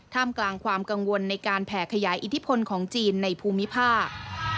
กลางความกังวลในการแผ่ขยายอิทธิพลของจีนในภูมิภาค